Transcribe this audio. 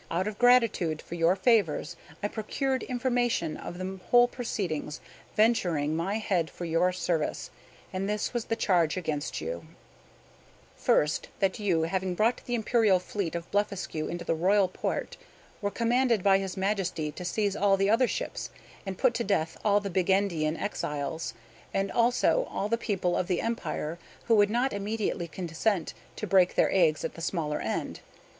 Out of gratitude for your favors I procured information of the whole proceedings, venturing my head for your service, and this was the charge against you: "First, that you, having brought the imperial fleet of Blefuscu into the royal port, were commanded by his Majesty to seize all the other ships, and put to death all the Bigendian exiles, and also all the people of the empire who would not immediately consent to break their eggs at the smaller end.